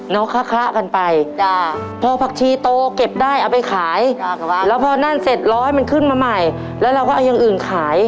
คะกันไปจ้ะพอผักชีโตเก็บได้เอาไปขายแล้วพอนั่นเสร็จร้อยมันขึ้นมาใหม่แล้วเราก็เอาอย่างอื่นขาย